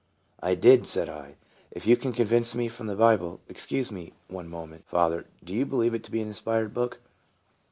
" I did," said I, " if you can convince me from the Bible. Excuse me one moment, father; do you believe it to be an inspired book